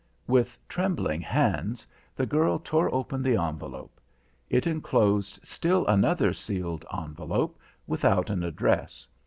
With trembling hands the girl tore open the envelope. It enclosed still another sealed envelope, without an address.